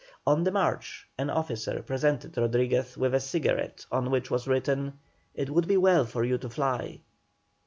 On the march an officer presented Rodriguez with a cigarette on which was written, "It would be well for you to fly."